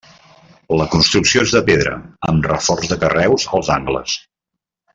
La construcció és de pedra, amb reforç de carreus als angles.